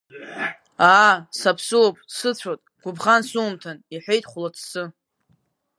Аа сааԥсоуп, сыцәот, гәыбӷан сумҭан, — иҳәеит Хәлаццы.